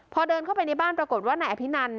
พอเดินเข้าไปในบ้านปรากฏว่านายอภินัน